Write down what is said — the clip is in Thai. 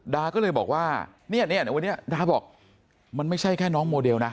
ดาก็เลยบอกว่าเนี่ยวันนี้ดาบอกมันไม่ใช่แค่น้องโมเดลนะ